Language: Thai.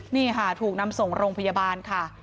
นี่ค่ะถูกนำส่งโรงพยาบาลค่ะ